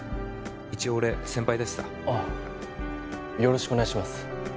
一応俺先輩だしさああよろしくお願いします